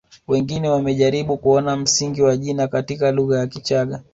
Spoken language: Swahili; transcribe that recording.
Wengine wamejaribu kuona msingi wa jina katika lugha ya Kichagga